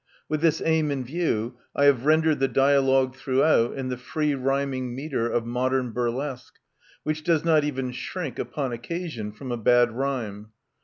With this aim in view, I have rendered the dialogue throughout in the free rhyming metre of modern burlesque, which does not even shrink, upon occasion, from a bad rhyme.